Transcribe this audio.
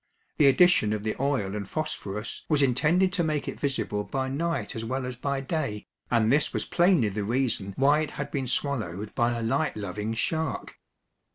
The addition of the oil and phosphorus was intended to make it visible by night as well as by day, and this was plainly the reason why it had been swallowed by a light loving shark.